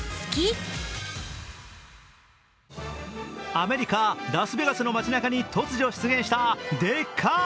アメリカ・ラスベガスの町なかに突如出現したでっかー